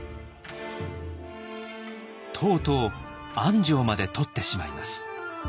とうとう安城まで取ってしまいます。